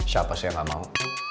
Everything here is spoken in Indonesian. siapa sih yang nggak mau